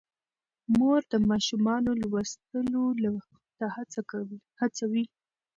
مور د ماشومانو لوستلو ته هڅوي.